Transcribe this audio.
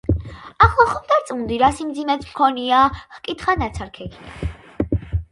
ახლა ხომ დარწმუნდი, რა სიმძიმეც მქონიაო? - ჰკითხა ნაცარქექიამ.